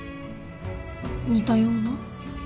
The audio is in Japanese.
似たような？